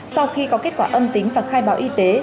sau khi có kết quả âm tính và khai báo y tế